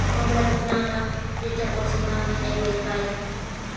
Wamrakunaqa yachaywasimanmi aywaykaayan.